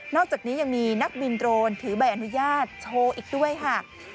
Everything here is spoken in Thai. อกจากนี้ยังมีนักบินโดรนถือใบอนุญาตโชว์อีกด้วยค่ะ